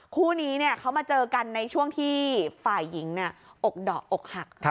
คู่นี้เขามาเจอกันในช่วงที่ฝ่ายหญิงอกดอกอกหัก